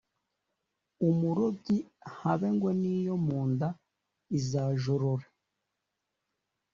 Umurobyi habe ngo n’iyo mu nda izajorore!